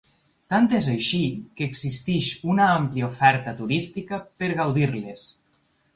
Tant és així, que existeix una àmplia oferta turística per gaudir-les.